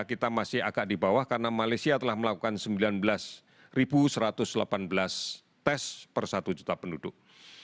kita masih agak di bawah karena malaysia telah melakukan sembilan belas satu ratus delapan belas tes per satu juta penduduk